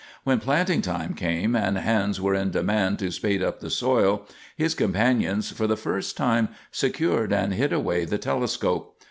When planting time came, and hands were in demand to spade up the soil, his companions for the first time secured and hid away the telescope.